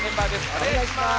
おねがいします。